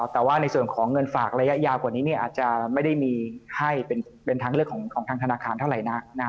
แต่ว่าในส่วนของเงินฝากระยะยาวกว่านี้อาจจะไม่ได้มีให้เป็นทางเลือกของทางธนาคารเท่าไหร่นะ